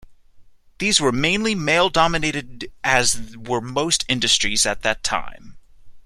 These were mainly male dominated as were most industries at that time.